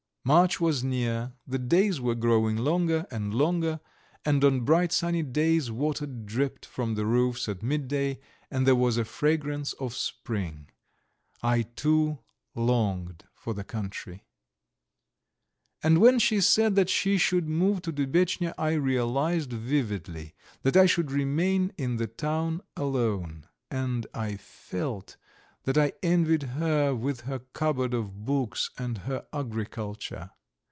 March was near, the days were growing longer and longer, and on bright sunny days water dripped from the roofs at midday, and there was a fragrance of spring; I, too, longed for the country. And when she said that she should move to Dubetchnya, I realized vividly that I should remain in the town alone, and I felt that I envied her with her cupboard of books and her agriculture.